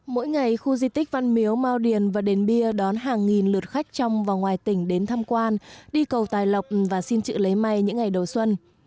mỗi ngày khu di tích văn miếu mau điền và đền bia đón hàng nghìn lượt khách trong và ngoài tỉnh đến tham quan đi cầu tài lộc và xin chữ lấy may những ngày đầu xuân